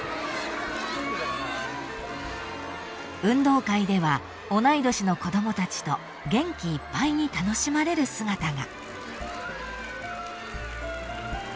［運動会では同い年の子供たちと元気いっぱいに楽しまれる姿が］